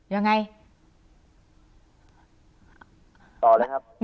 ยังไง